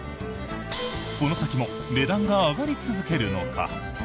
この先も値段が上がり続けるのか。